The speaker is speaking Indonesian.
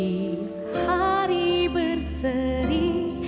di hari berseri indah